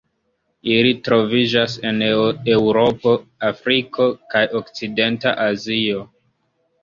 Ili troviĝas en Eŭropo, Afriko kaj okcidenta Azio.